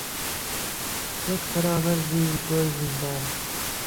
وەک فەرامەرزی گۆی زیندان